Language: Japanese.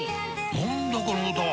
何だこの歌は！